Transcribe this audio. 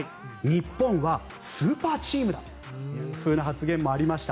日本はスーパーチームだというふうな発言もありました。